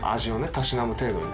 たしなむ程度に。